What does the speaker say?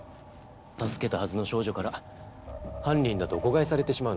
助けたはずの少女から犯人だと誤解されてしまうなんて。